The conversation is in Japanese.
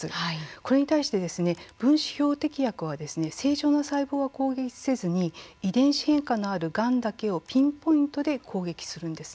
これに対して分子標的薬は正常の細胞は攻撃せずに遺伝子変化のあるがんだけをピンポイントで攻撃するんです。